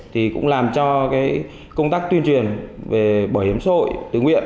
thì cũng làm cho cái công tác tuyên truyền về bảo hiểm xã hội tự nguyện